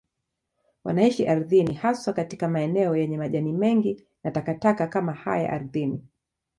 Wanaishi ardhini, haswa katika maeneo yenye majani mengi na takataka kama haya ardhini.